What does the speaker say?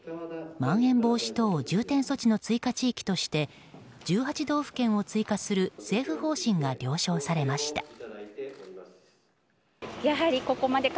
まん延防止等重点措置の追加地域として１８道府県を追加する政府方針が了承されました。